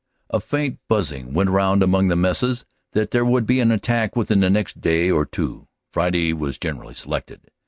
A faint buzzing went round among the messes that there would be an attack within the next day or two Friday was generally selected.